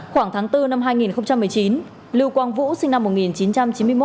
khoảng tháng bốn năm hai nghìn một mươi chín lưu quang vũ sinh năm một nghìn chín trăm chín mươi một